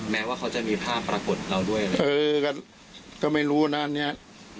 แม้ว่าเขาจะมีภาพปรากฏเราด้วยเออก็ก็ไม่รู้นะอันเนี้ย